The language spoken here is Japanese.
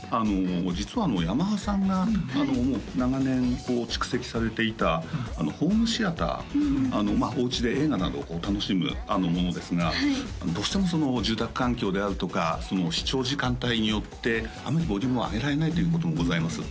実はヤマハさんがもう長年蓄積されていたホームシアターおうちで映画などを楽しむものですがどうしても住宅環境であるとか視聴時間帯によってあんまりボリュームを上げられないということもございます